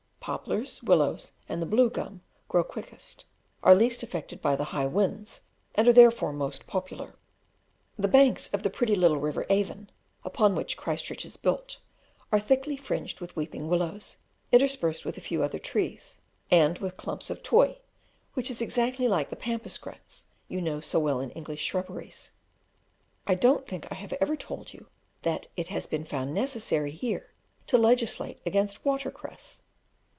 Poplars, willows, and the blue gum grow quickest, are least affected by the high winds, and are therefore the most popular. The banks of the pretty little river Avon, upon which Christchurch is built, are thickly fringed with weeping willows, interspersed with a few other trees, and with clumps of tohi, which is exactly like the Pampas grass you know so well in English shrubberies. I don't think I have ever told you that it has been found necessary here to legislate against water cress.